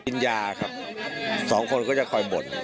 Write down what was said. กินยาครับสองคนก็จะคอยบ่น